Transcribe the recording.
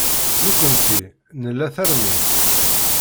Nekkenti nla tarmit.